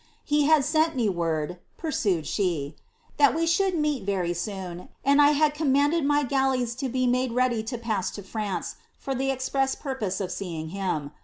He had sent me word," pursued she, " that we should meet very soon, and I had commanded my galleys lo be made ready to pass to France, for the express purpose of seeing him."